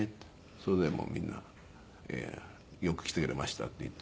それでもうみんな「よく来てくれました」って言った。